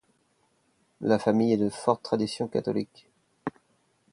La famille est de forte tradition catholique.